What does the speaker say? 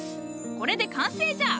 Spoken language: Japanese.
これで完成じゃ！